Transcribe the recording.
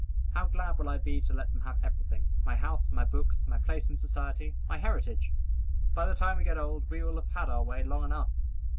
How glad will I be to let them have everything, my house, my books, my place in society, my heritage! By the time we get old we will have had our way long enough.